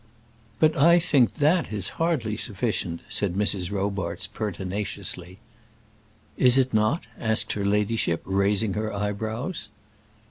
"But I think that is hardly sufficient," said Mrs. Robarts, pertinaciously. "Is it not?" asked her ladyship, raising her eyebrows.